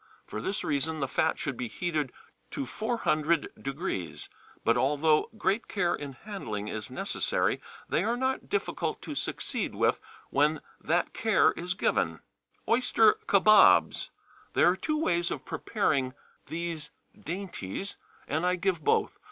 For this reason the fat should be heated to 400°. But although great care in handling is necessary, they are not difficult to succeed with when that care is given. Oyster Kabobs. There are two ways of preparing these dainties, and I give both.